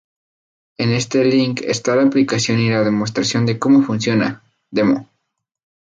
En este link está la explicación y la demostración de cómo funciona: Demo.